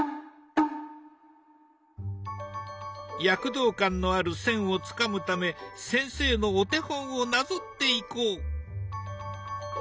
躍動感のある線をつかむため先生のお手本をなぞっていこう。